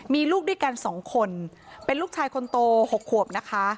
มีลูกด้วยกัน๒คนเป็นลูกชายคนโต๖ขวบนะคะ